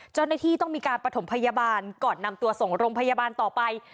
เจ้าหน้าที่ต้องมีการประถมพยาบาลก่อนนำตัวส่งโรงพยาบาลต่อไป